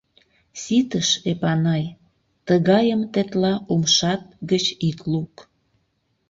— Ситыш, Эпанай, тыгайым тетла умшат гыч ит лук.